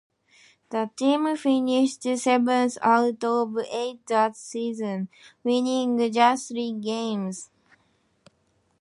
The team finished seventh out of eight that season, winning just three games.